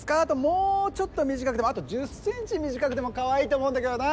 もうちょっと短くてもあと１０センチ短くてもかわいいと思うんだけどな。